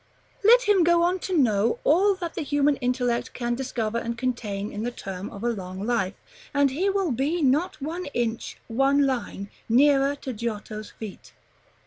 Let him go on to know all that the human intellect can discover and contain in the term of a long life, and he will not be one inch, one line, nearer to Giotto's feet.